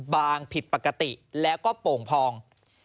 บางผิดปกติและก็โป่งพอง